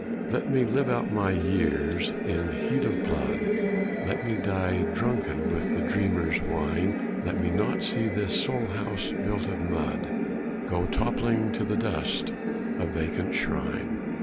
Let me live out my years in heat of blood! Let me die drunken with the dreamer's wine! Let me not see this soul house built of mud Go toppling to the dust a vacant shrine!